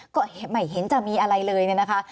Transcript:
ก็ไม่เห็นจะมีอะไรเลยเนี่ยนะคะ